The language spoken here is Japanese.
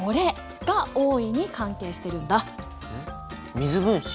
水分子？